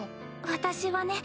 私はね